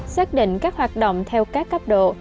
xác định các hoạt động theo các cấp độ